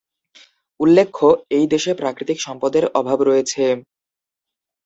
উল্লেখ্য, এই দেশে প্রাকৃতিক সম্পদের অভাব রয়েছে।